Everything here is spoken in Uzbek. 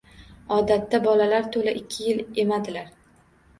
Odatda, bolalar to‘la ikki yil emadilar.